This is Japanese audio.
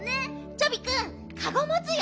チョビくんかごもつよ。